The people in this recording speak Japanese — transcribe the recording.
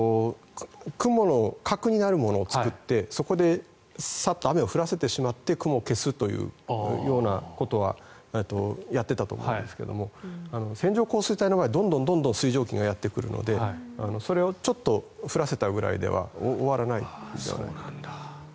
雲の核になるものを作ってそこでサッと雨を降らせてしまって雲を消すというようなことはやっていたと思うんですけど線状降水帯の場合どんどん水蒸気がやってくるのでそれをちょっと降らせたぐらいでは終わらないんじゃないかと。